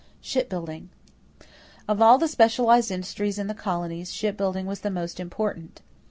=Shipbuilding.= Of all the specialized industries in the colonies, shipbuilding was the most important.